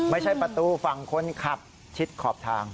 ไม่ใช่ประตูฝั่งคนขับชิดขอบทาง